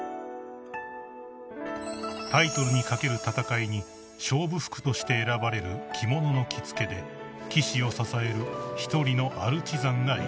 ［タイトルに懸ける戦いに勝負服として選ばれる着物の着付けで棋士を支える一人のアルチザンがいる］